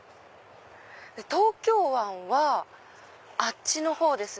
東京湾はあっちのほうですね。